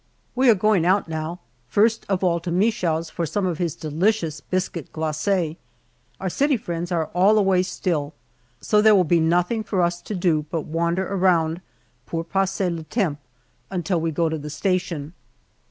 We are going out now, first of all to Michaud's for some of his delicious biscuit glace! Our city friends are all away still, so there will be nothing for us to do but wander around, pour passer le temps until we go to the station.